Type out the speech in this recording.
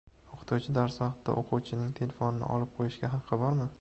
O`qituvchi dars vaqtida o`quvchining telefonini olib qo`yishga haqqi bormi?